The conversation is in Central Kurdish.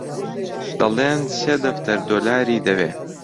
دەڵێن سێ دەفتەر دۆلاری دەوێ